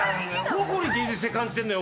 どこに芸術性感じてんのよ？